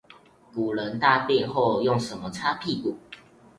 古人大便後用什麼擦屁股？